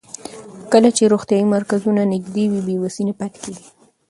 کله چې روغتیايي مرکزونه نږدې وي، بې وسۍ نه پاتې کېږي.